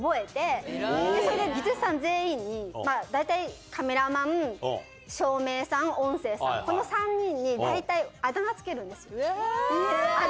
それで技術さん全員に、大体、カメラマン、照明さん、音声さん、この３人に大体、あだ名、付けるんです。